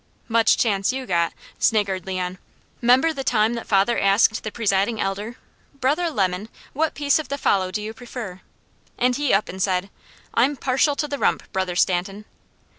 "Much chance you got," sniggered Leon. "'Member the time that father asked the Presiding Elder, 'Brother Lemon, what piece of the fowl do you prefer?' and he up and said: 'I'm partial to the rump, Brother Stanton.'